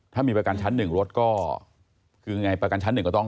ถ้ามีประกันชั้น๑รถก็